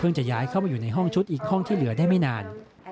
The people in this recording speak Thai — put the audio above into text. จะย้ายเข้ามาอยู่ในห้องชุดอีกห้องที่เหลือได้ไม่นาน